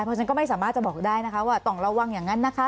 เพราะฉะนั้นก็ไม่สามารถจะบอกได้นะคะว่าต้องระวังอย่างนั้นนะคะ